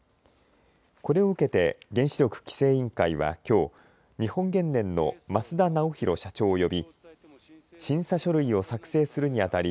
これを受けて原子力規制委員会はきょう日本原燃の増田尚宏社長を呼び審査書類を作成するにあたり